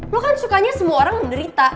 lo kan sukanya semua orang menderita